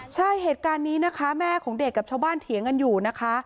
ใช่เหตุการณ์นี้นะคะแม่ของเด็กกับชาวบ้านเถียงกันอยู่นะคะ